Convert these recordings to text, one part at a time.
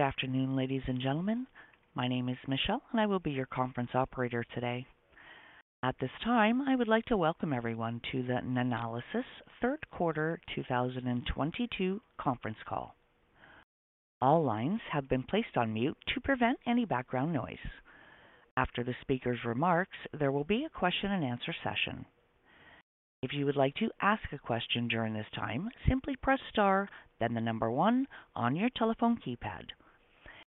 Good afternoon, ladies and gentlemen. My name is Michelle, and I will be your conference operator today. At this time, I would like to welcome everyone to the Nanalysis third quarter 2022 conference call. All lines have been placed on mute to prevent any background noise. After the speaker's remarks, there will be a question and answer session. If you would like to ask a question during this time, simply press star then the number one on your telephone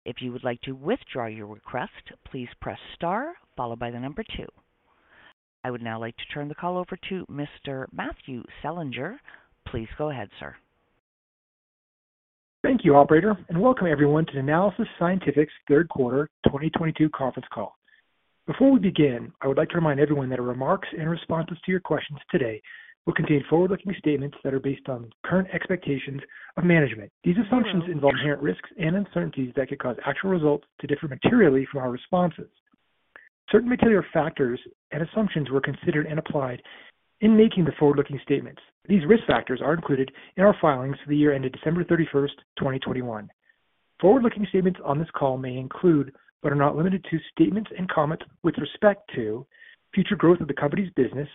keypad. If you would like to withdraw your request, please press star followed by the number two. I would now like to turn the call over to Mr. Matthew Selinger. Please go ahead, sir. Thank you, operator, and welcome everyone to Nanalysis Scientific's third quarter 2022 conference call. Before we begin, I would like to remind everyone that remarks and responses to your questions today will contain forward-looking statements that are based on current expectations of management. These assumptions involve inherent risks and uncertainties that could cause actual results to differ materially from our responses. Certain material factors and assumptions were considered and applied in making the forward-looking statements. These risk factors are included in our filings for the year ended December 31st, 2021. Forward-looking statements on this call may include, but are not limited to, statements and comments with respect to future growth of the company's business,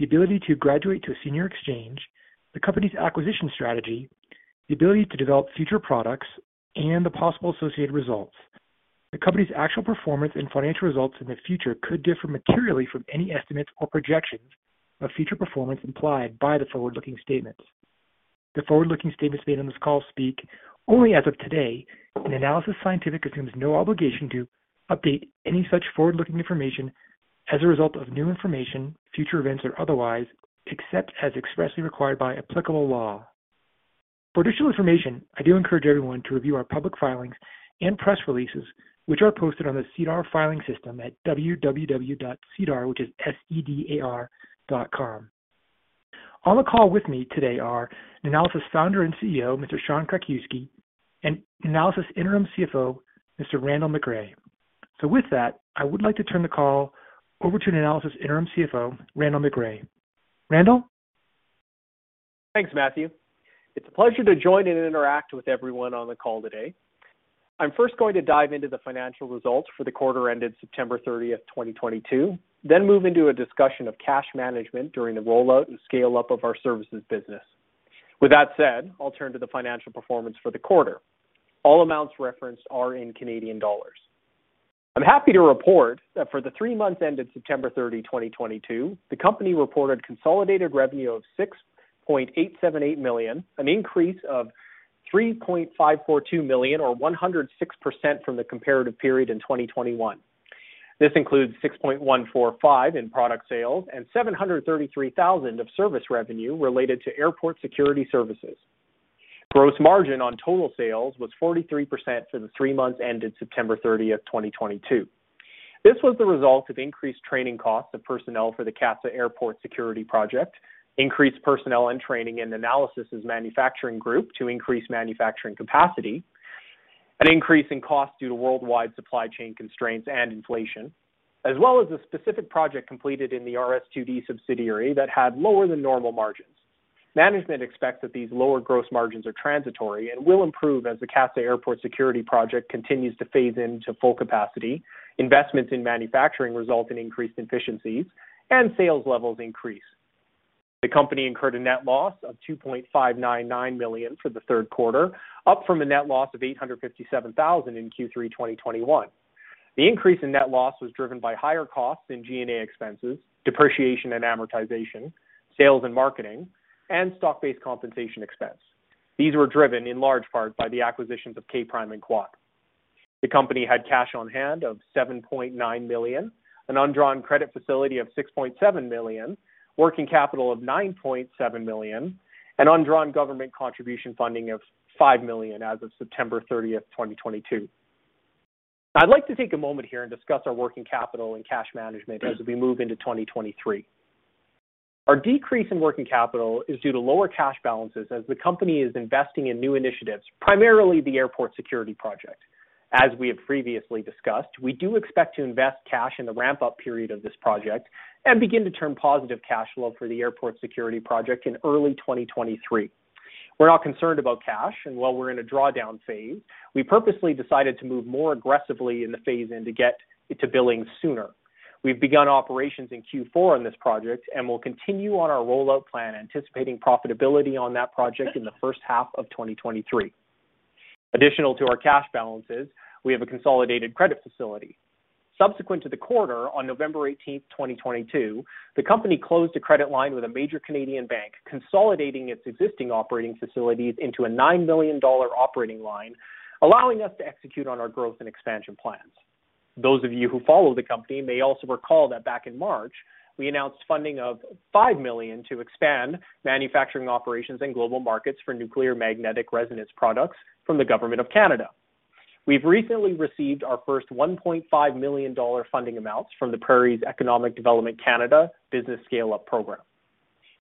the ability to graduate to a senior exchange, the company's acquisition strategy, the ability to develop future products and the possible associated results The company's actual performance and financial results in the future could differ materially from any estimates or projections of future performance implied by the forward-looking statements. The forward-looking statements made on this call speak only as of today and Nanalysis Scientific assumes no obligation to update any such forward-looking information as a result of new information, future events, or otherwise, except as expressly required by applicable law. For additional information, I do encourage everyone to review our public filings and press releases, which are posted on the SEDAR filing system at www.sedar, which is S-E-D-A-R.com. On the call with me today are Nanalysis Founder and CEO, Sean Krakiwsky, and Nanalysis Interim CFO, Randall McRae. With that, I would like to turn the call over to Nanalysis Interim CFO, Randall McRae. Randall. Thanks, Matthew. It's a pleasure to join and interact with everyone on the call today. I'm first going to dive into the financial results for the quarter ended September 30th, 2022, then move into a discussion of cash management during the rollout and scale up of our services business. With that said, I'll turn to the financial performance for the quarter. All amounts referenced are in Canadian dollars. I'm happy to report that for the three months ended September 30, 2022, the company reported consolidated revenue of 6.878 million, an increase of 3.542 million or 106% from the comparative period in 2021. This includes 6.145 million in product sales and 733,000 of service revenue related to airport security services. Gross margin on total sales was 43% for the three months ended September 30, 2022. This was the result of increased training costs of personnel for the CATSA airport security project, increased personnel and training in Nanalysis' manufacturing group to increase manufacturing capacity, an increase in cost due to worldwide supply chain constraints and inflation, as well as a specific project completed in the RS2D subsidiary that had lower than normal margins. Management expects that these lower gross margins are transitory and will improve as the CATSA airport security project continues to phase into full capacity, investments in manufacturing result in increased efficiencies, and sales levels increase. The company incurred a net loss of 2.599 million for the third quarter, up from a net loss of 857,000 in Q3 2021. The increase in net loss was driven by higher costs in G&A expenses, depreciation and amortization, sales and marketing, and stock-based compensation expense. These were driven in large part by the acquisitions of K'Prime and QUAD. The company had cash on hand of 7.9 million, an undrawn credit facility of 6.7 million, working capital of 9.7 million, and undrawn government contribution funding of 5 million as of September 30th, 2022. I'd like to take a moment here and discuss our working capital and cash management as we move into 2023. Our decrease in working capital is due to lower cash balances as the company is investing in new initiatives, primarily the airport security project. As we have previously discussed, we do expect to invest cash in the ramp-up period of this project and begin to turn positive cash flow for the airport security project in early 2023. We're not concerned about cash and while we're in a drawdown phase, we purposely decided to move more aggressively in the phase in to get to billing sooner. We've begun operations in Q4 on this project and will continue on our rollout plan, anticipating profitability on that project in the first half of 2023. Additional to our cash balances, we have a consolidated credit facility. Subsequent to the quarter on November 18, 2022, the company closed a credit line with a major Canadian bank, consolidating its existing operating facilities into a 9 million dollar operating line, allowing us to execute on our growth and expansion plans. Those of you who follow the company may also recall that back in March, we announced funding of 5 million to expand manufacturing operations in global markets for Nuclear Magnetic Resonance products from the government of Canada. We've recently received our first 1.5 million dollar funding amounts from the Prairies Economic Development Canada Business Scale-up Program.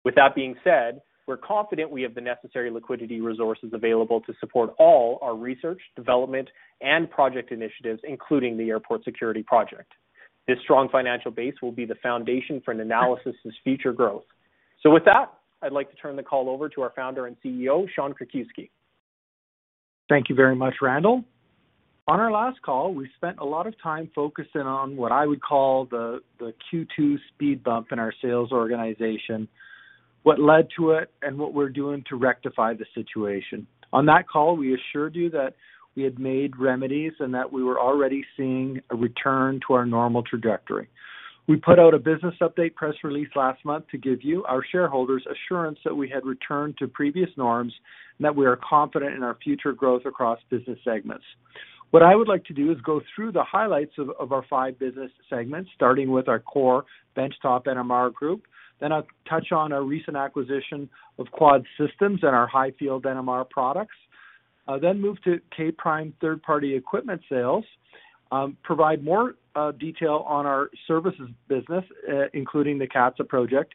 With that being said, we're confident we have the necessary liquidity resources available to support all our research, development and project initiatives, including the airport security project. This strong financial base will be the foundation for Nanalysis's future growth. With that, I'd like to turn the call over to our Founder and CEO, Sean Krakiwsky. Thank you very much, Randall. On our last call, we spent a lot of time focusing on what I would call the Q2 speed bump in our sales organization, what led to it, and what we're doing to rectify the situation. On that call, we assured you that we had made remedies and that we were already seeing a return to our normal trajectory. We put out a business update press release last month to give you, our shareholders, assurance that we had returned to previous norms and that we are confident in our future growth across business segments. What I would like to do is go through the highlights of our five business segments, starting with our core benchtop NMR group. I'll touch on our recent acquisition of QUAD Systems and our high field NMR products. Move to K'Prime third-party equipment sales, provide more detail on our services business, including the CATSA project,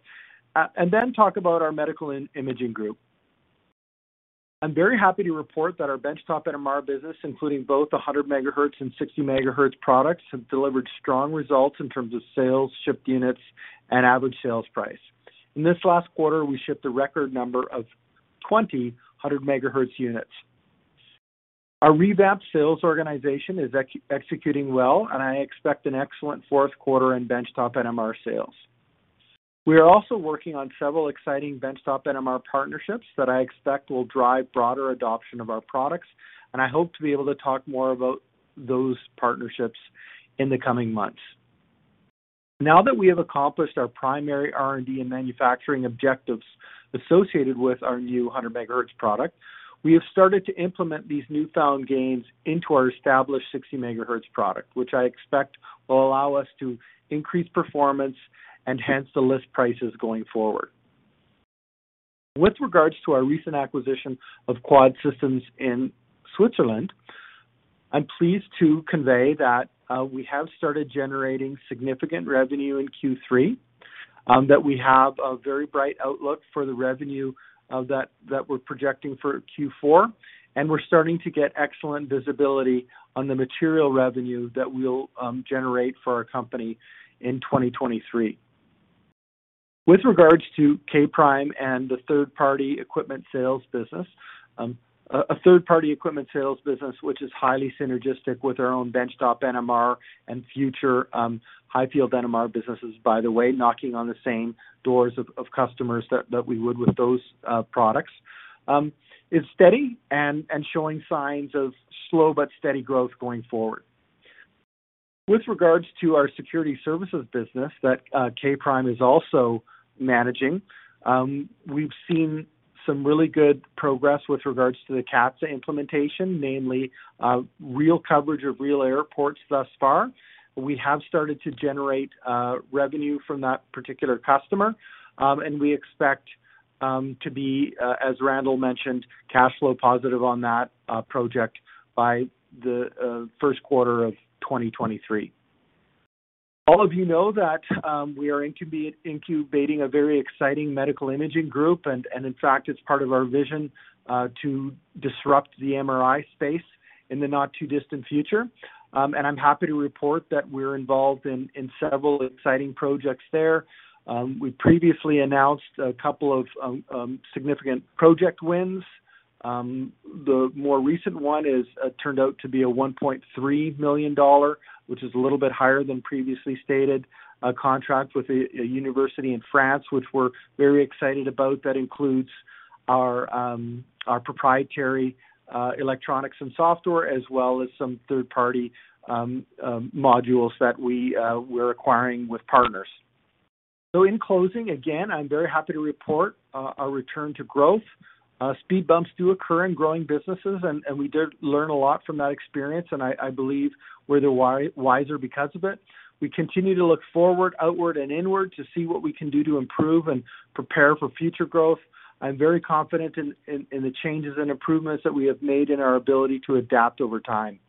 and then talk about our medical imaging group. I'm very happy to report that our benchtop NMR business, including both a 100 MHz and 60 MHz products, have delivered strong results in terms of sales, shipped units, and average sales price. In this last quarter, we shipped a record number of 20 100 MHz units. Our revamped sales organization is executing well, and I expect an excellent fourth quarter in benchtop NMR sales. We are also working on several exciting benchtop NMR partnerships that I expect will drive broader adoption of our products, I hope to be able to talk more about those partnerships in the coming months. Now that we have accomplished our primary R&D and manufacturing objectives associated with our new 100 MHz product, we have started to implement these newfound gains into our established 60 MHz product, which I expect will allow us to increase performance and hence the list prices going forward. With regards to our recent acquisition of QUAD Systems in Switzerland, I'm pleased to convey that we have started generating significant revenue in Q3, that we have a very bright outlook for the revenue of that we're projecting for Q4, and we're starting to get excellent visibility on the material revenue that we'll generate for our company in 2023. With regards to K'Prime and the third-party equipment sales business, a third-party equipment sales business which is highly synergistic with our own benchtop NMR and future high field NMR businesses, by the way, knocking on the same doors of customers that we would with those products, is steady and showing signs of slow but steady growth going forward. With regards to our security services business that K'Prime is also managing, we've seen some really good progress with regards to the CATSA implementation, namely, real coverage of real airports thus far. We have started to generate revenue from that particular customer, and we expect to be as Randall mentioned, cash flow positive on that project by the first quarter of 2023. All of you know that, we are incubating a very exciting medical imaging group, and in fact it's part of our vision to disrupt the MRI space in the not too distant future. I'm happy to report that we're involved in several exciting projects there. We previously announced a couple of significant project wins. The more recent one is, turned out to be a 1.3 million dollar, which is a little bit higher than previously stated, contract with a university in France, which we're very excited about, that includes our proprietary electronics and software as well as some third-party modules that we're acquiring with partners. In closing, again, I'm very happy to report our return to growth. Speed bumps do occur in growing businesses and we did learn a lot from that experience, and I believe we're the wiser because of it. We continue to look forward, outward, and inward to see what we can do to improve and prepare for future growth. I'm very confident in the changes and improvements that we have made in our ability to adapt over time.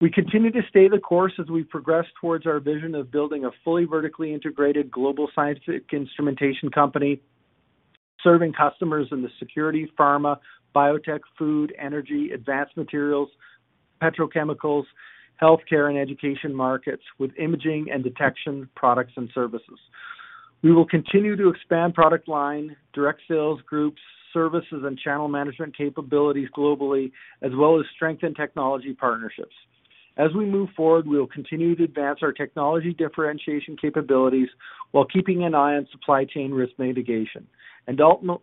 We continue to stay the course as we progress towards our vision of building a fully vertically integrated global scientific instrumentation company, serving customers in the security, pharma, biotech, food, energy, advanced materials, petrochemicals, healthcare, and education markets with imaging and detection products and services. We will continue to expand product line, direct sales groups, services, and channel management capabilities globally as well as strengthen technology partnerships. As we move forward, we will continue to advance our technology differentiation capabilities while keeping an eye on supply chain risk mitigation and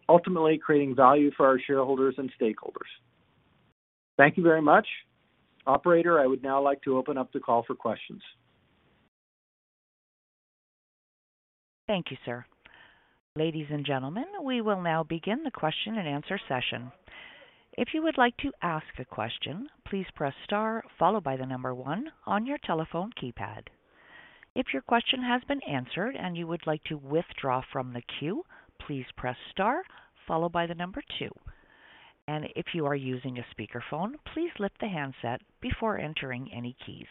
ultimately creating value for our shareholders and stakeholders. Thank you very much. Operator, I would now like to open up the call for questions. Thank you, sir. Ladies and gentlemen, we will now begin the question-and-answer session. If you would like to ask a question, please press star followed by one on your telephone keypad. If your question has been answered and you would like to withdraw from the queue, please press star followed by two. If you are using a speakerphone, please lift the handset before entering any keys.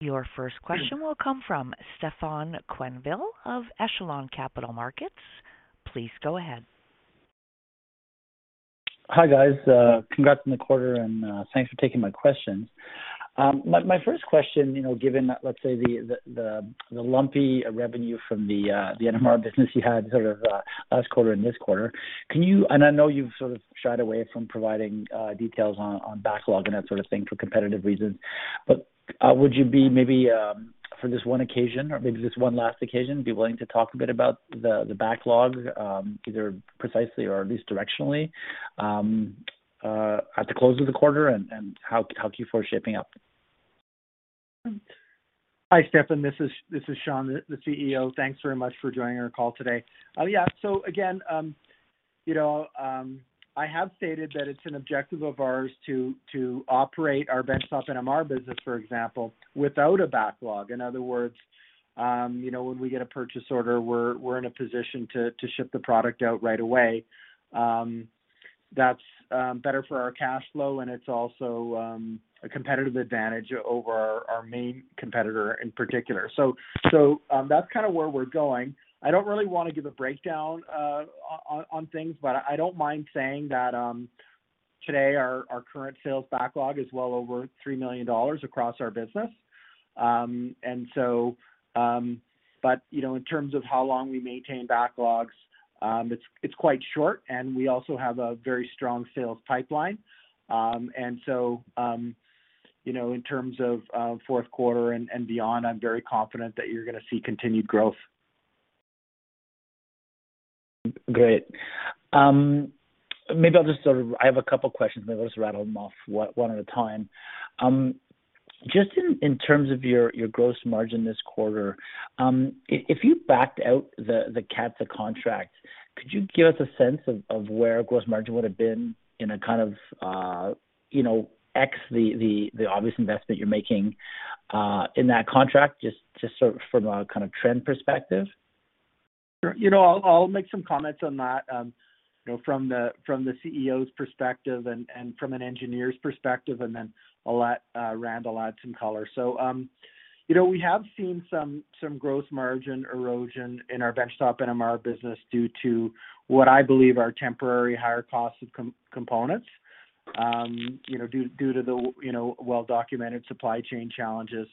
Your first question will come from Stefan Quenneville of Echelon Capital Markets. Please go ahead. Hi, guys. Congrats on the quarter, and thanks for taking my questions. My first question, you know, given, let's say, the lumpy revenue from the NMR business you had sort of last quarter and this quarter, can you. I know you've sort of shied away from providing details on backlog and that sort of thing for competitive reasons. Would you be maybe for this one occasion or maybe this one last occasion, be willing to talk a bit about the backlog, either precisely or at least directionally, at the close of the quarter and how Q4 is shaping up? Hi, Stefan. This is Sean, the CEO. Thanks very much for joining our call today. Yeah. Again, you know, I have stated that it's an objective of ours to operate our benchtop NMR business, for example, without a backlog. In other words, you know, when we get a purchase order, we're in a position to ship the product out right away. That's better for our cash flow, and it's also a competitive advantage over our main competitor in particular. That's kinda where we're going. I don't really wanna give a breakdown on things, but I don't mind saying that today our current sales backlog is well over 3 million dollars across our business. You know, in terms of how long we maintain backlogs, it's quite short, and we also have a very strong sales pipeline. You know, in terms of, fourth quarter and beyond, I'm very confident that you're gonna see continued growth. Great. Maybe I'll just sort of I have a couple questions. Maybe I'll just rattle them off one at a time. Just in terms of your gross margin this quarter, if you backed out the CATSA contract, could you give us a sense of where gross margin would have been in a kind of, you know, x the obvious investment you're making in that contract, just sort of from a kind of trend perspective? You know, I'll make some comments on that, you know, from the, from the CEO's perspective and from an engineer's perspective, and then I'll let Randall add some color. You know, we have seen some gross margin erosion in our benchtop NMR business due to what I believe are temporary higher costs of components, you know, due to the, you know, well-documented supply chain challenges.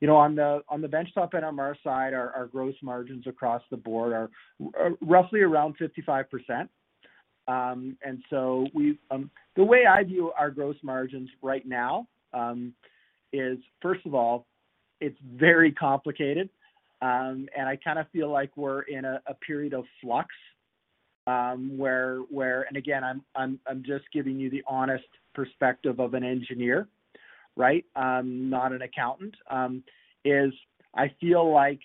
You know, on the, on the benchtop NMR side, our gross margins across the board are roughly around 55%. And so we've... The way I view our gross margins right now, is, first of all, it's very complicated. And I kinda feel like we're in a period of flux, where... Again, I'm just giving you the honest perspective of an engineer, right, not an accountant. Is I feel like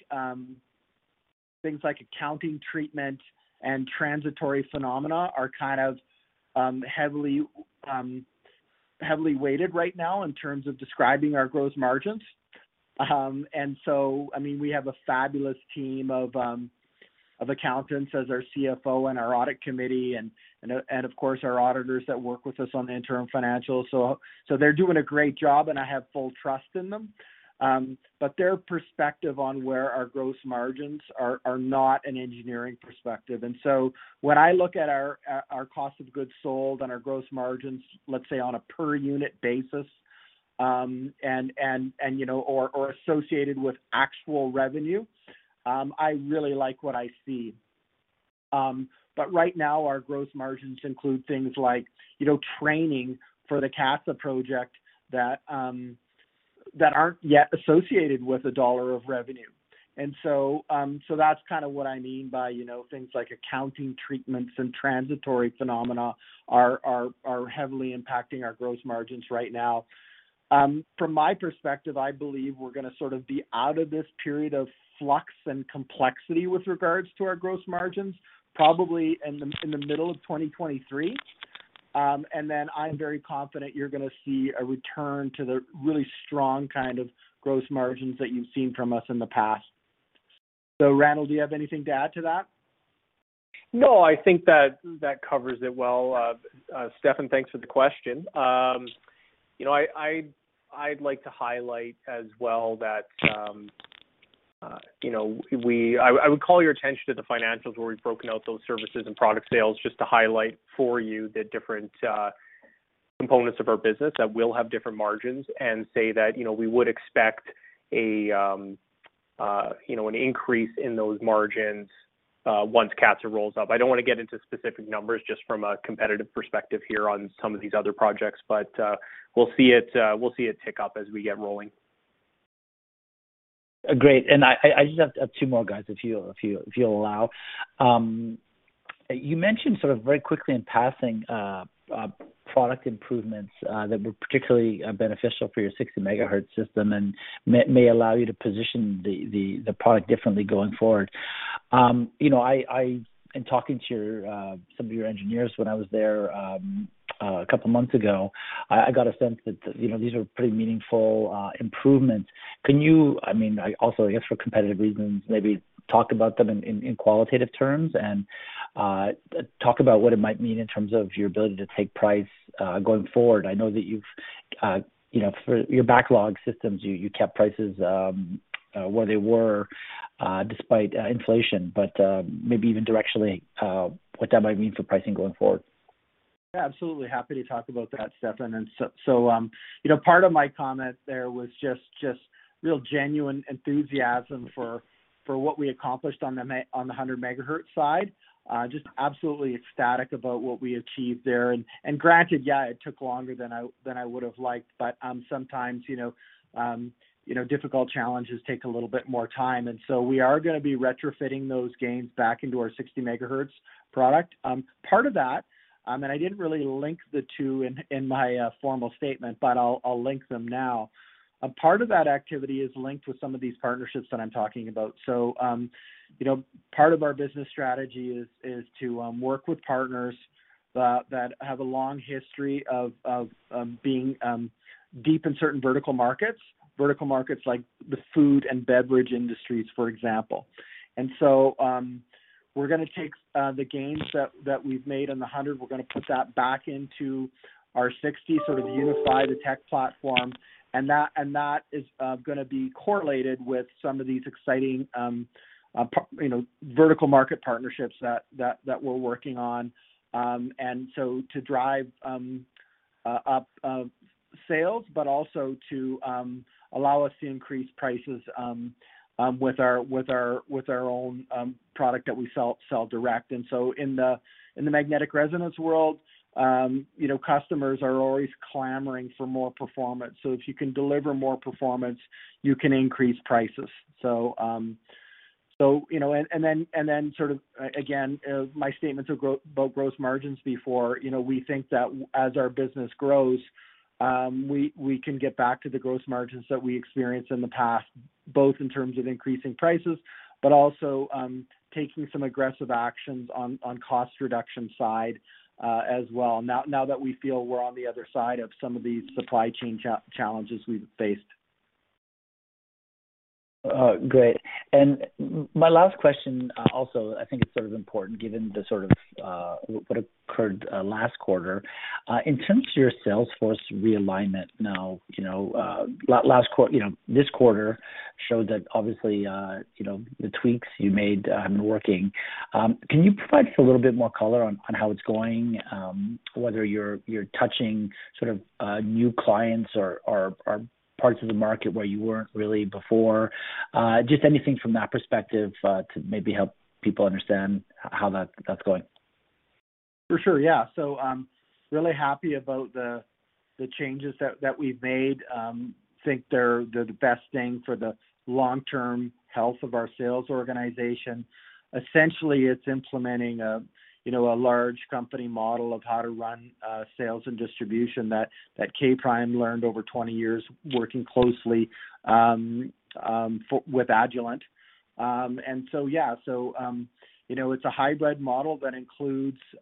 things like accounting treatment and transitory phenomena are kind of heavily weighted right now in terms of describing our gross margins. I mean, we have a fabulous team of accountants as our CFO and our audit committee and of course, our auditors that work with us on the interim financials. They're doing a great job, and I have full trust in them. But their perspective on where our gross margins are not an engineering perspective. When I look at our cost of goods sold and our gross margins, let's say, on a per unit basis, you know, associated with actual revenue, I really like what I see. Right now, our gross margins include things like, you know, training for the CATSA project that aren't yet associated with CAD 1 of revenue. That's kinda what I mean by, you know, things like accounting treatments and transitory phenomena are heavily impacting our gross margins right now. From my perspective, I believe we're gonna sort of be out of this period of flux and complexity with regards to our gross margins probably in the middle of 2023. I'm very confident you're gonna see a return to the really strong kind of gross margins that you've seen from us in the past. Randall, do you have anything to add to that? No, I think that covers it well. Stefan, thanks for the question. You know, I'd like to highlight as well that, you know, I would call your attention to the financials where we've broken out those services and product sales just to highlight for you the different components of our business that will have different margins and say that, you know, we would expect an increase in those margins once CATSA rolls up. I don't wanna get into specific numbers just from a competitive perspective here on some of these other projects. We'll see it tick up as we get rolling. Great. I just have two more, guys if you'll allow. You mentioned sort of very quickly in passing product improvements that were particularly beneficial for your 60 MHz system and may allow you to position the product differently going forward. You know, in talking to your some of your engineers when I was there a couple of months ago, I got a sense that, you know, these are pretty meaningful improvements. I mean, I also, I guess, for competitive reasons, maybe talk about them in qualitative terms and talk about what it might mean in terms of your ability to take price going forward. I know that you've, you know, for your backlog systems, you kept prices where they were despite inflation, but maybe even directionally what that might mean for pricing going forward. Yeah, absolutely happy to talk about that, Stefan. So, you know, part of my comment there was just real genuine enthusiasm for what we accomplished on the 100 MHz side. Just absolutely ecstatic about what we achieved there. Granted, yeah, it took longer than I would've liked, but sometimes, you know, difficult challenges take a little bit more time. We are gonna be retrofitting those gains back into our 60 MHz product. Part of that, and I didn't really link the two in my formal statement, but I'll link them now. A part of that activity is linked with some of these partnerships that I'm talking about. You know, part of our business strategy is to work with partners that have a long history of being deep in certain vertical markets. Vertical markets like the food and beverage industries, for example. We're gonna take the gains that we've made on the 100 MHz, we're gonna put that back into our 60 MHz, sort of unify the tech platform. That is gonna be correlated with some of these exciting, you know, vertical market partnerships that we're working on. To drive up sales, but also to allow us to increase prices with our own product that we sell direct. In the magnetic resonance world, you know, customers are always clamoring for more performance. If you can deliver more performance, you can increase prices. You know. Then, again, my statements about gross margins before. You know, we think that as our business grows, we can get back to the gross margins that we experienced in the past, both in terms of increasing prices, but also taking some aggressive actions on cost reduction side as well, now that we feel we're on the other side of some of these supply chain challenges we've faced. Great. My last question, also I think it's sort of important given the sort of, what occurred last quarter. In terms of your sales force realignment now, you know, this quarter showed that obviously, you know, the tweaks you made are working. Can you provide just a little bit more color on how it's going, whether you're touching sort of, new clients or parts of the market where you weren't really before, just anything from that perspective to maybe help people understand how that's going? For sure. Yeah. Really happy about the changes that we've made. Think they're the best thing for the long-term health of our sales organization. Essentially, it's implementing a, you know, a large company model of how to run sales and distribution that K'Prime learned over 20 years working closely with Agilent. Yeah. You know, it's a hybrid model that includes, you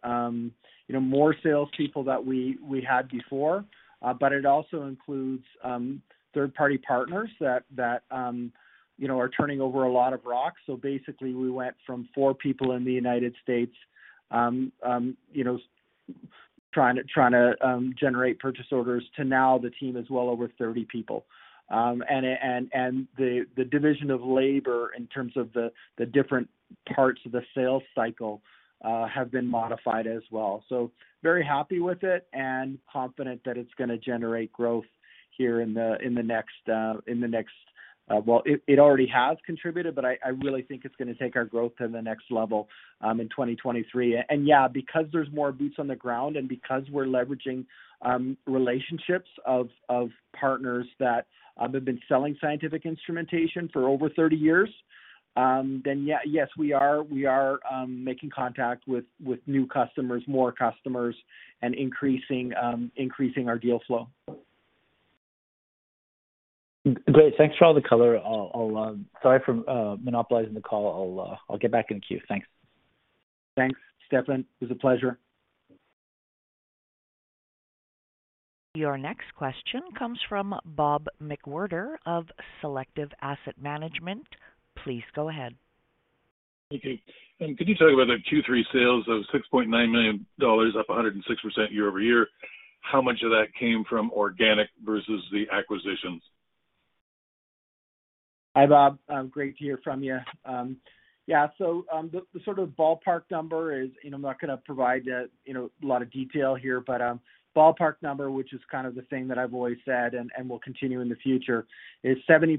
know, more salespeople that we had before. It also includes third-party partners that, you know, are turning over a lot of rocks. Basically, we went from four people in the United States, you know, trying to generate purchase orders to now the team is well over 30 people. The division of labor in terms of the different parts of the sales cycle have been modified as well. Very happy with it and confident that it's gonna generate growth here in the next. Well, it already has contributed, but I really think it's gonna take our growth to the next level in 2023. Yeah, because there's more boots on the ground and because we're leveraging relationships of partners that have been selling scientific instrumentation for over 30 years, yes, we are making contact with new customers, more customers, and increasing our deal flow. Great. Thanks for all the color. Sorry for monopolizing the call. I'll get back in queue. Thanks. Thanks, Stefan. It was a pleasure. Your next question comes from Bob McWhirter of Selective Asset Management. Please go ahead. Thank you. Can you tell me whether Q3 sales of 6.9 million dollars up 106% year-over-year, how much of that came from organic versus the acquisitions? Hi, Bob. Great to hear from you. Yeah. The sort of ballpark number is, and I'm not gonna provide the, you know, a lot of detail here. Ballpark number, which is kind of the thing that I've always said and will continue in the future, is 70%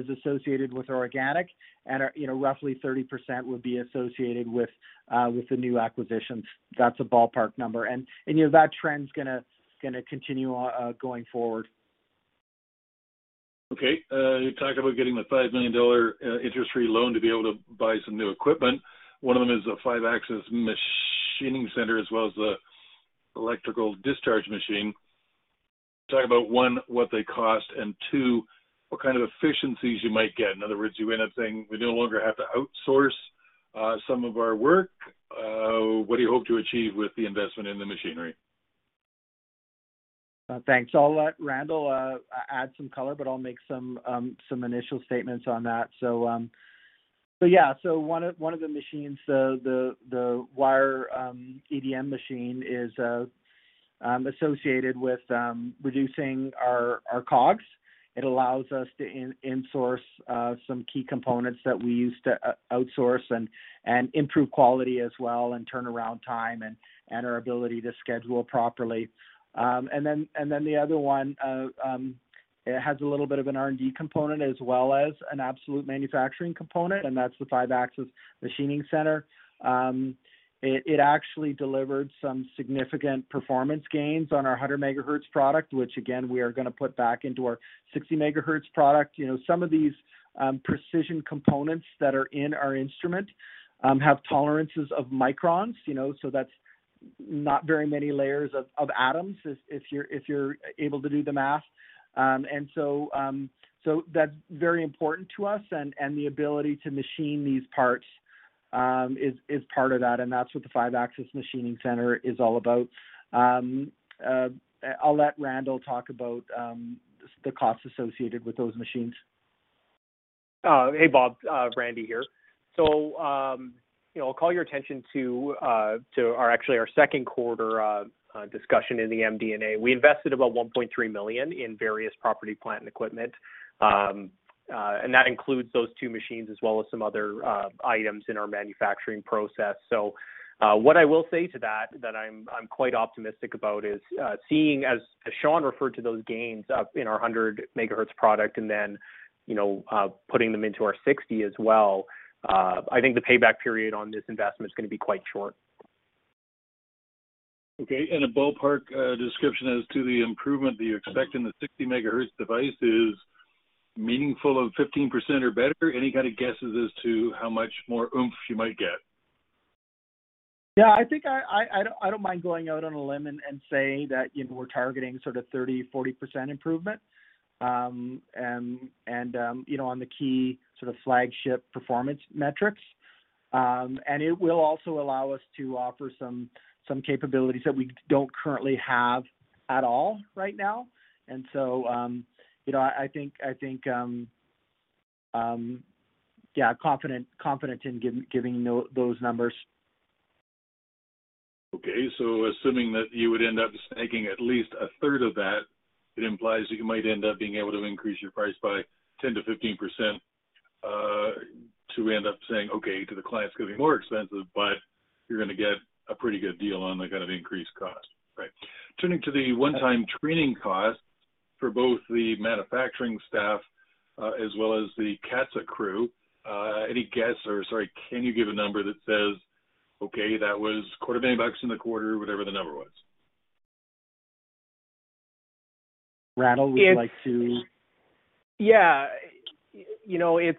is associated with organic and, you know, roughly 30% would be associated with the new acquisitions. That's a ballpark number. You know, that trend's gonna continue going forward. Okay. You talked about getting the 5 million dollar interest-free loan to be able to buy some new equipment. One of them is a five-axis machining center, as well as the electrical discharge machine. Talk about, one, what they cost, and two, what kind of efficiencies you might get. In other words, you end up saying, "We no longer have to outsource some of our work." What do you hope to achieve with the investment in the machinery? Thanks. I'll let Randall add some color, but I'll make some initial statements on that. Yeah, one of the machines, the wire EDM machine is associated with reducing our COGS. It allows us to insource some key components that we use to outsource and improve quality as well, and turnaround time and our ability to schedule properly. The other one has a little bit of an R&D component as well as an absolute manufacturing component, and that's the five-axis machining center. It actually delivered some significant performance gains on our 100 MHz product, which again, we are gonna put back into our 60 MHz product. You know, some of these, precision components that are in our instrument, have tolerances of microns, you know, so that's not very many layers of atoms if you're, if you're able to do the math. So that's very important to us. The ability to machine these parts is part of that. That's what the five-axis machining center is all about. I'll let Randall talk about the costs associated with those machines. Hey, Bob. Randy here. You know, I'll call your attention to our actually our second quarter discussion in the MD&A. We invested about 1.3 million in various property, plant, and equipment, and that includes those two machines as well as some other items in our manufacturing process. What I will say to that I'm quite optimistic about is, seeing as Sean referred to those gains up in our 100 MHz product and then, you know, putting them into our 60 MHz as well, I think the payback period on this investment is gonna be quite short. Okay. A ballpark description as to the improvement that you expect in the 60 MHz device is meaningful of 15% or better. Any kind of guesses as to how much more oomph you might get? Yeah. I think I don't mind going out on a limb and saying that, you know, we're targeting sort of 30%-40% improvement, and, you know, on the key sort of flagship performance metrics. It will also allow us to offer some capabilities that we don't currently have at all right now. You know, I think, yeah, confident in giving those numbers. Okay. Assuming that you would end up taking at least a third of that, it implies that you might end up being able to increase your price by 10%-15% to end up saying, "Okay, to the clients, it's gonna be more expensive, but you're gonna get a pretty good deal on the kind of increased cost." Right. Turning to the one-time training cost for both the manufacturing staff, as well as the CATSA crew, any guess or sorry, can you give a number that says, "Okay, that was 250,000 bucks in the quarter," whatever the number was? Randall, would you like to? You know, it's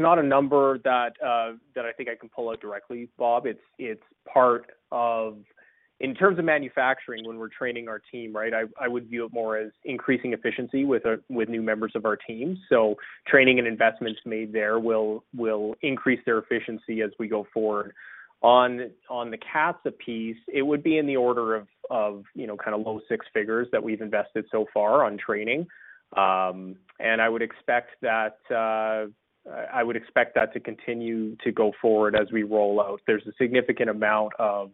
not a number that I think I can pull out directly, Bob. In terms of manufacturing when we're training our team, right, I would view it more as increasing efficiency with new members of our team. Training and investments made there will increase their efficiency as we go forward. On the CATSA piece, it would be in the order of, you know, kind of low six figures that we've invested so far on training. I would expect that to continue to go forward as we roll out. There's a significant amount of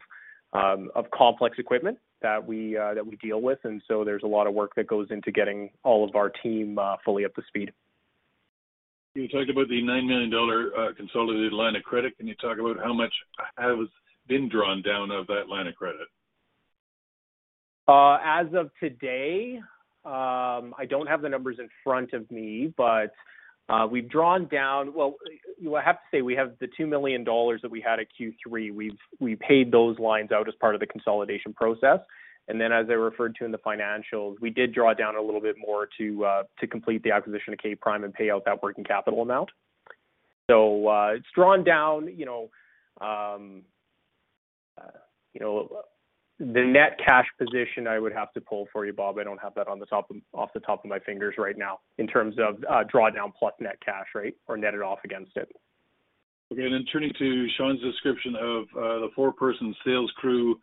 complex equipment that we deal with, there's a lot of work that goes into getting all of our team fully up to speed. You talked about the 9 million dollar consolidated line of credit. Can you talk about how much has been drawn down of that line of credit? As of today, I don't have the numbers in front of me. Well, I have to say we have the 2 million dollars that we had at Q3. We paid those lines out as part of the consolidation process. As I referred to in the financials, we did draw down a little bit more to complete the acquisition of K'Prime and pay out that working capital amount. It's drawn down, you know. The net cash position, I would have to pull for you, Bob. I don't have that off the top of my fingers right now in terms of drawdown plus net cash, right, or net it off against it. Okay. Then turning to Sean's description of the four-person sales crew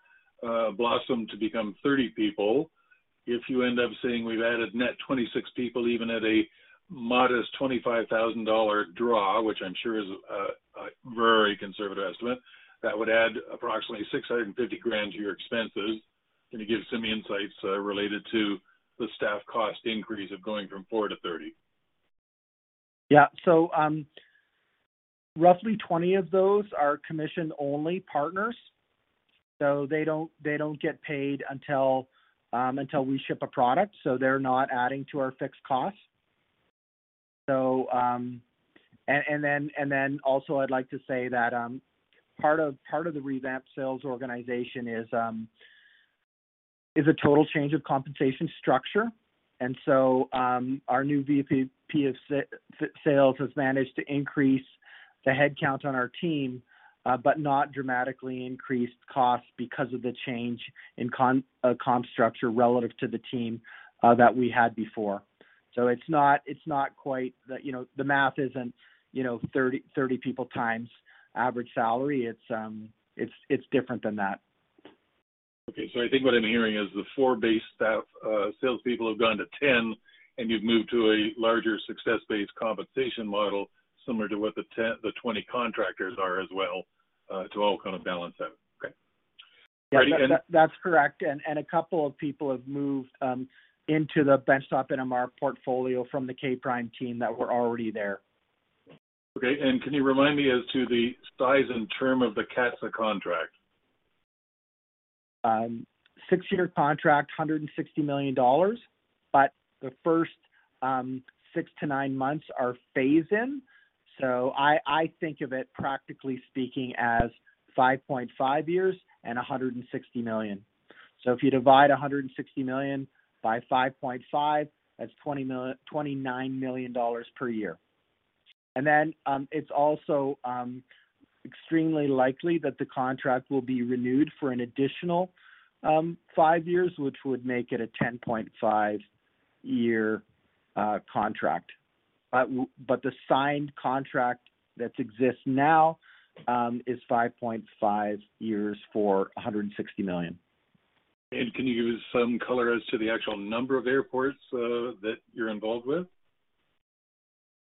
blossomed to become 30 people. If you end up saying we've added net 26 people, even at a modest 25,000 dollar draw, which I'm sure is a very conservative estimate, that would add approximately 650,000 to your expenses. Can you give some insights related to the staff cost increase of going from four-30? Yeah. Roughly 20 of those are commission-only partners. They don't get paid until we ship a product, so they're not adding to our fixed costs. Also, I'd like to say that part of the revamped sales organization is a total change of compensation structure. Our new VP of Sales has managed to increase the headcount on our team, but not dramatically increased costs because of the change in comp structure relative to the team that we had before. It's not quite the... You know, the math isn't, you know, 30 people times average salary. It's different than that. Okay. I think what I'm hearing is the four base staff, salespeople have gone to 10, and you've moved to a larger success-based compensation model, similar to what the 20 contractors are as well, to all kind of balance out. Okay. Yeah. That's correct. A couple of people have moved into the benchtop NMR portfolio from the K'Prime team that were already there. Okay. Can you remind me as to the size and term of the CATSA contract? Six-year contract, 160 million dollars. The first six-nine months are phase-in. I think of it practically speaking as 5.5 years and 160 million. If you divide 160 million by 5.5, that's 29 million dollars per year. It's also extremely likely that the contract will be renewed for an additional five years, which would make it a 10.5-year contract. But the signed contract that exists now is 5.5 years for 160 million. Can you give some color as to the actual number of airports that you're involved with?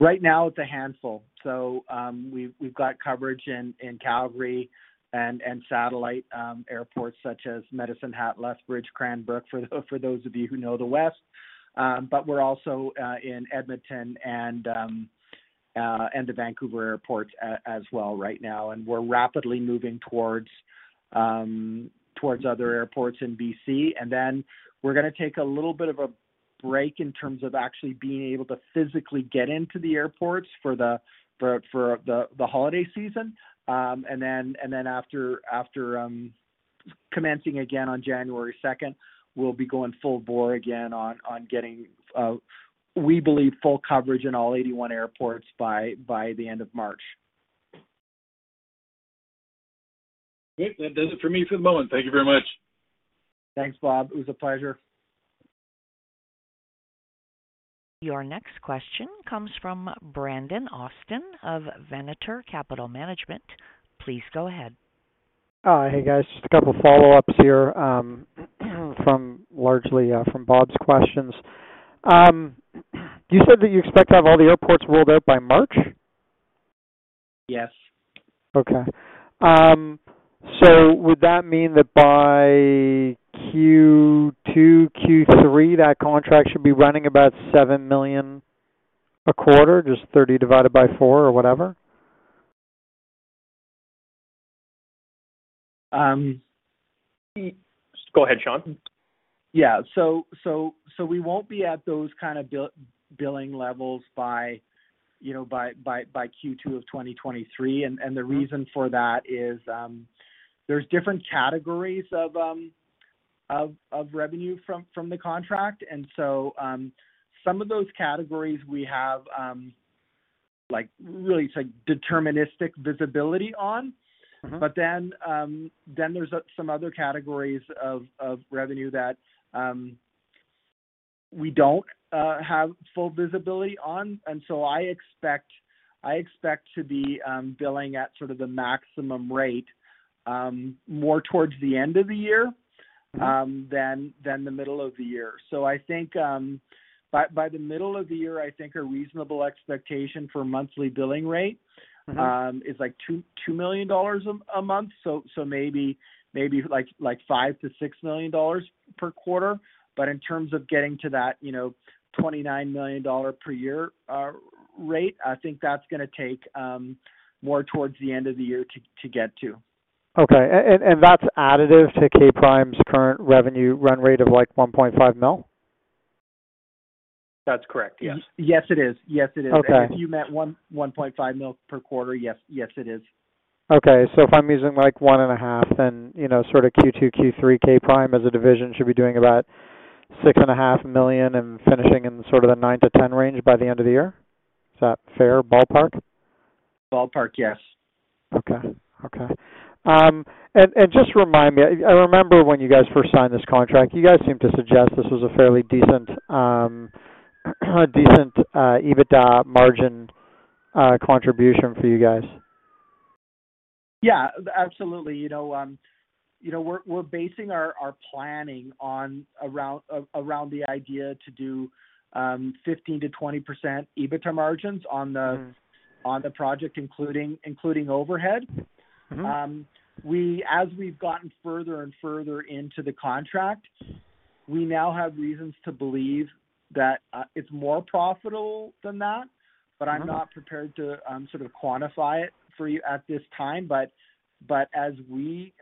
Right now, it's a handful. We've got coverage in Calgary and satellite airports such as Medicine Hat, Lethbridge, Cranbrook, for those of you who know the West. We're also in Edmonton and the Vancouver Airport as well right now, and we're rapidly moving towards other airports in BC. We're going to take a little bit of a break in terms of actually being able to physically get into the airports for the holiday season. After commencing again on January 2nd, we'll be going full bore again on getting we believe full coverage in all 81 airports by the end of March. Great. That does it for me for the moment. Thank you very much. Thanks, Bob. It was a pleasure. Your next question comes from Brandon Austin of Venator Capital Management. Please go ahead. Hey, guys. Just a couple follow-ups here, from largely, from Bob's questions. You said that you expect to have all the airports rolled out by March? Yes. Okay. would that mean that by Q2, Q3, that contract should be running about 7 million a quarter, just 30 divided by four or whatever? Um... Go ahead, Sean. Yeah. We won't be at those kind of billing levels by, you know, by Q2 of 2023. The reason for that is, there's different categories of revenue from the contract. Some of those categories we have, like really it's deterministic visibility on. Then there's some other categories of revenue that, we don't, have full visibility on. I expect to be billing at sort of the maximum rate, more towards the end of the year than the middle of the year. I think, by the middle of the year, I think a reasonable expectation for monthly billing rate is like 2 million dollars a month. Maybe like 5 million-6 million dollars per quarter. In terms of getting to that, you know, 29 million dollar per year rate, I think that's gonna take more towards the end of the year to get to. Okay. That's additive to K'Prime's current revenue run rate of like 1.5 million? That's correct. Yes. Yes, it is. Yes, it is. If you meant 1.5 million per quarter, yes, it is. Okay. If I'm using like 1.5 then, you know, sort of Q2, Q3, K'Prime as a division should be doing about six and a half million and finishing in sort of the 9 million-10 million range by the end of the year. Is that fair ballpark? Ballpark, yes. Okay. Okay. Just remind me. I remember when you guys first signed this contract, you guys seemed to suggest this was a fairly decent EBITDA margin, contribution for you guys. Yeah, absolutely. You know, you know, we're basing our planning around the idea to do 15%-20% EBITDA margins. On the project, including overhead. As we've gotten further and further into the contract, we now have reasons to believe that it's more profitable than that, but I'm not prepared to sort of quantify it for you at this time. As we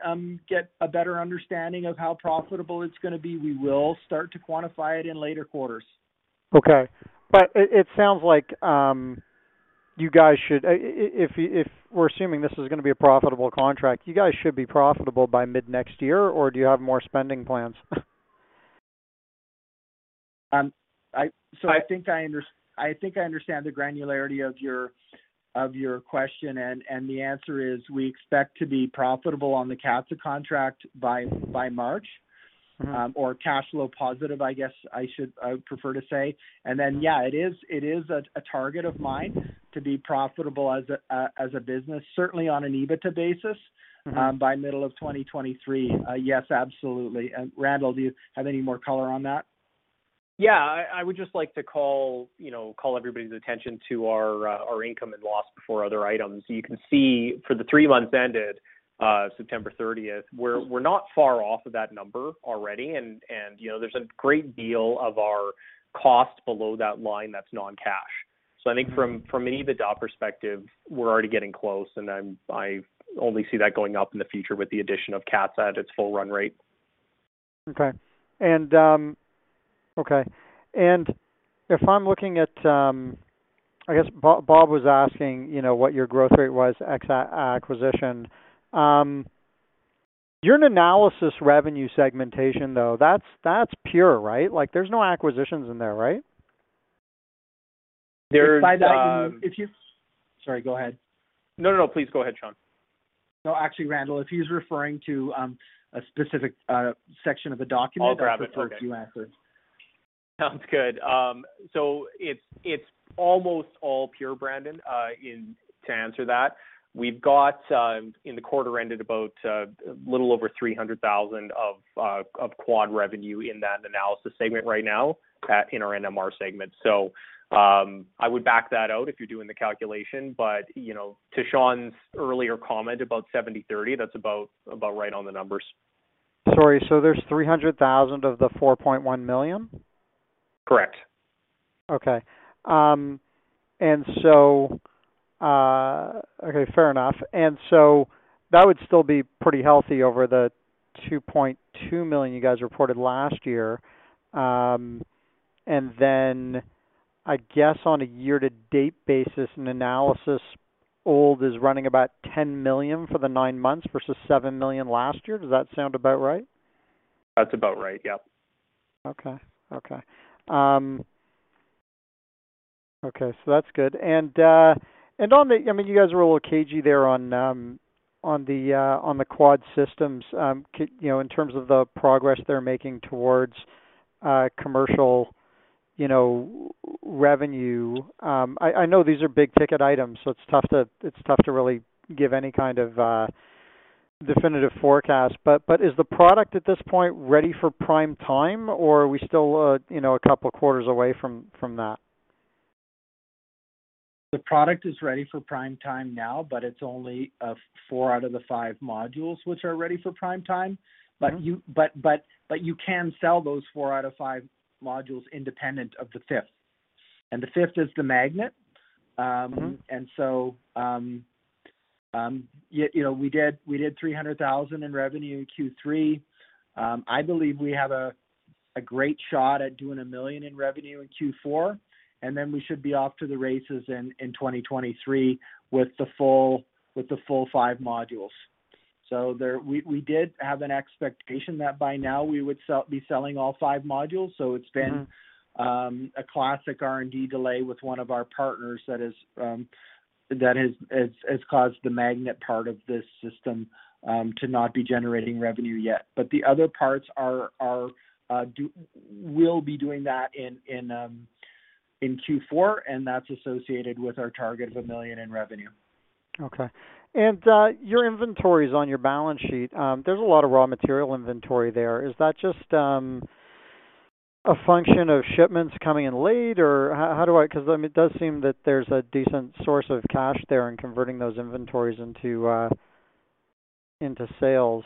get a better understanding of how profitable it's gonna be, we will start to quantify it in later quarters. Okay. It sounds like, if we're assuming this is gonna be a profitable contract, you guys should be profitable by mid-next year, or do you have more spending plans? I think I understand the granularity of your question. The answer is, we expect to be profitable on the CATSA contract by March. Or cash flow positive, I guess I should, prefer to say. Yeah, it is, it is a target of mine to be profitable as a, as a business, certainly on an EBITDA basis, by middle of 2023. Yes, absolutely. Randall, do you have any more color on that? Yeah. I would just like to call, you know, call everybody's attention to our income and loss before other items. You can see for the three months ended September 30th, we're not far off of that number already and, you know, there's a great deal of our cost below that line that's non-cash. I think from an EBITDA perspective, we're already getting close, and I only see that going up in the future with the addition of CATSA at its full run rate. Okay. Okay, if I'm looking at, I guess Bob was asking, you know, what your growth rate was ex acquisition. Your Nanalysis revenue segmentation, though, that's pure, right? Like, there's no acquisitions in there, right? There is- By that, if you...Sorry, go ahead. No, no. Please go ahead, Sean. No, actually, Randall, if he's referring to, a specific, section of the document. I'll grab it. Okay. I prefer if you answered. Sounds good. It's, it's almost all pure, Brandon, to answer that. We've got, in the quarter ended about, little over 300,000 of QUAD revenue in that Nanalysis segment right now at, in our NMR segment. I would back that out if you're doing the calculation. You know, to Sean's earlier comment about 70/30, that's about right on the numbers. Sorry, there's 300,000 of the 4.1 million? Correct. Okay, fair enough. That would still be pretty healthy over the 2.2 million you guys reported last year. I guess on a year-to-date basis, Nanalysis is running about 10 million for the nine months versus 7 million last year. Does that sound about right? That's about right. Yep. Okay. Okay. Okay, so that's good. On the... I mean, you guys were a little cagey there on the QUAD Systems, you know, in terms of the progress they're making towards commercial, you know, revenue. I know these are big ticket items, so it's tough to really give any kind of definitive forecast. But is the product at this point ready for prime time, or are we still, you know, a couple quarters away from that? The product is ready for prime time now. It's only, four out of the five modules which are ready for prime time. You can sell those four out of five modules independent of the fifth. The fifth is the magnet. You know, we did 300,000 in revenue in Q3. I believe we have a great shot at doing 1 million in revenue in Q4, then we should be off to the races in 2023 with the full five modules. We did have an expectation that by now we would be selling all five modules. It's been a classic R&D delay with one of our partners that has caused the magnet part of this system to not be generating revenue yet. The other parts will be doing that in Q4, and that's associated with our target of 1 million in revenue. Okay. Your inventories on your balance sheet, there's a lot of raw material inventory there. Is that just a function of shipments coming in late, or how do I? Cause, I mean, it does seem that there's a decent source of cash there in converting those inventories into sales.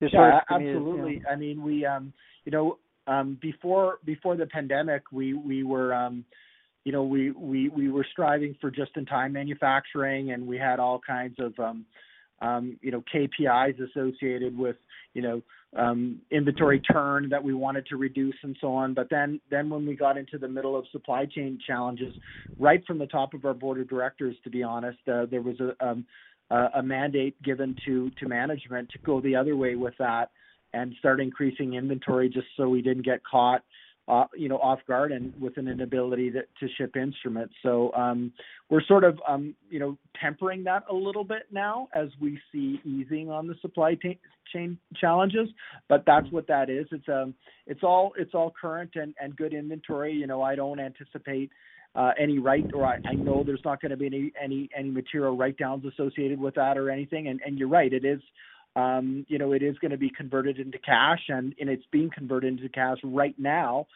Just sort of. Yeah. Absolutely. I mean, we, you know, before the pandemic, we were, you know, we were striving for just-in-time manufacturing, and we had all kinds of, you know, KPIs associated with, you know, inventory turn that we wanted to reduce and so on. When we got into the middle of supply chain challenges, right from the top of our board of directors, to be honest, there was a mandate given to management to go the other way with that and start increasing inventory just so we didn't get caught, you know, off guard and with an inability to ship instruments. We're sort of, you know, tempering that a little bit now as we see easing on the supply chain challenges, but that's what that is. It's all current and good inventory. You know, I don't anticipate any or I know there's not gonna be any material write-downs associated with that or anything. You're right, it is, you know, it is gonna be converted into cash and it's being converted into cash right now.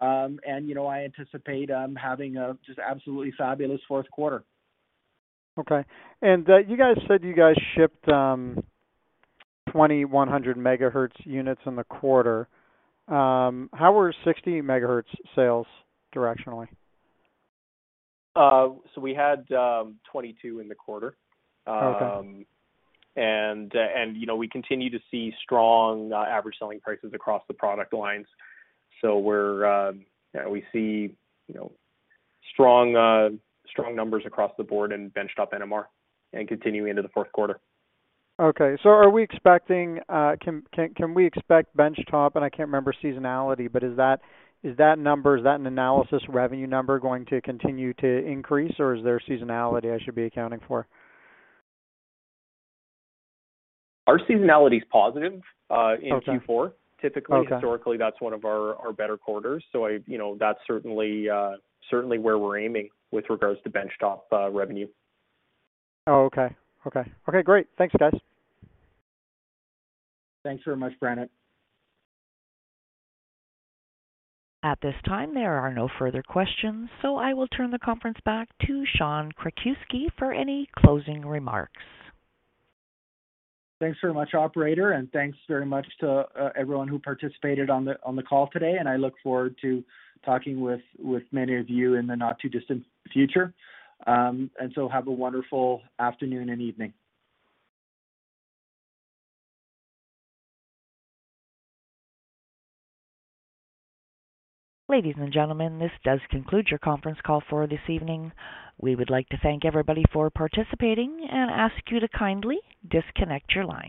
You know, I anticipate having a just absolutely fabulous fourth quarter. Okay. You guys said you guys shipped 21 100 MHz units in the quarter. How were 60 MHz sales directionally? We had 22 in the quarter. You know, we continue to see strong average selling prices across the product lines. We're, yeah, we see, you know, strong numbers across the board in benchtop NMR and continuing into the fourth quarter. Are we expecting, can we expect benchtop, and I can't remember seasonality, but is that number, is that Nanalysis revenue number going to continue to increase, or is there seasonality I should be accounting for? Our seasonality is positive. In Q4. Typically. Historically, that's one of our better quarters. I, you know, that's certainly where we're aiming with regards to benchtop revenue. Oh, okay. Okay. Okay, great. Thanks, guys. Thanks very much, Brandon. At this time, there are no further questions. I will turn the conference back to Sean Krakiwsky for any closing remarks. Thanks very much, operator, and thanks very much to everyone who participated on the call today. I look forward to talking with many of you in the not too distant future. Have a wonderful afternoon and evening. Ladies and gentlemen, this does conclude your conference call for this evening. We would like to thank everybody for participating and ask you to kindly disconnect your line.